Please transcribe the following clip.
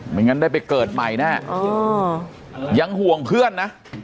งั้นได้ไปเกิดใหม่แน่ยังห่วงเพื่อนนะ